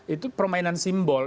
itu permainan simbol